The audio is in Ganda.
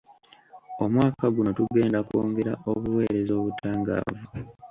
Omwaka guno tugenda kwongera obuweereza obutangaavu.